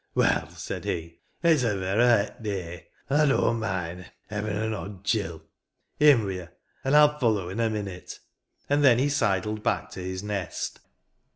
u Well," said he; " it's a verra het day. An' I don't mind hevin' an odd gill. In wi' ye, — an' I'll follow,— in a minute," and then he sidled back to his nest.